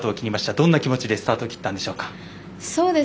どんな気持ちでスタート切ったんでしょうか。